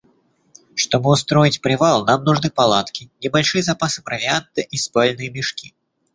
Чтобы устроить привал, нам нужны палатки, небольшие запасы провианта и спальные мешки.